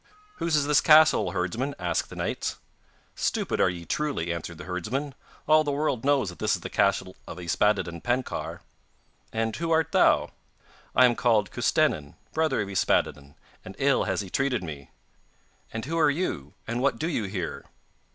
'Whose is this castle, O herdsmen?' asked the knights. 'Stupid are ye truly,' answered the herdsman. 'All the world knows that this is the castle of Yspaddaden Penkawr.' 'And who art thou?' 'I am called Custennin, brother of Yspaddaden, and ill has he treated me. And who are you, and what do you here?